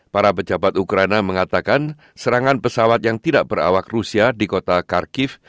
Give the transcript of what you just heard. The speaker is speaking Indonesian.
para pejabat ukraina mengatakan serangan pesawat yang tidak berawak rusia di kota kharkiv